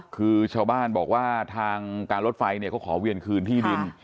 คือชาวบ้านบอกว่าทางการรถไฟเนี่ยเขาขอเวียนคืนที่ดิน